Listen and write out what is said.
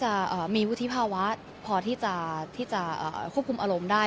วันนี้มาในนามราชสะดนราชสะดนที่เป็นประชาชนของประเทศไทย